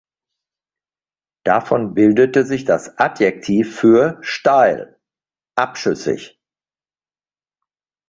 Davon bildete sich das Adjektiv für „steil“, „abschüssig“.